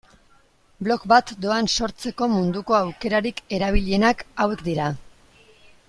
Blog bat doan sortzeko munduko aukerarik erabilienak hauek dira.